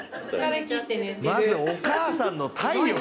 まずお母さんの体力！